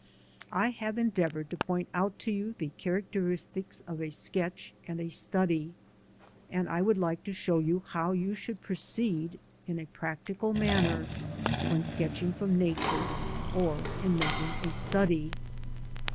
I have endeavoured to point out to you the characteristics of a sketch and a study, and I would like to show you how you should proceed in a practical manner when sketching from Nature, or in making a study.